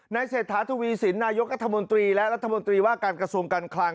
เศรษฐาทวีสินนายกรัฐมนตรีและรัฐมนตรีว่าการกระทรวงการคลัง